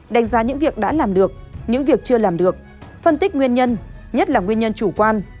đánh giá những việc đã làm được những việc chưa làm được phân tích nguyên nhân nhất là nguyên nhân chủ quan